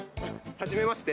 はじめまして。